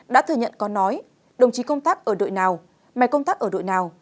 đã thừa nhận có nói đồng chí công tác ở đội nào mà công tác ở đội nào